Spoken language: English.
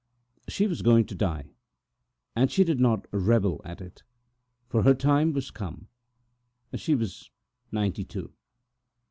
She was going to die, and she did not rebel at it, for her life was over—she was ninety two.